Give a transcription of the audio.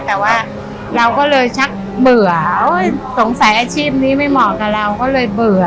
แต่ว่าเราก็เลยชักเบื่อสงสัยอาชีพนี้ไม่เหมาะกับเราก็เลยเบื่อ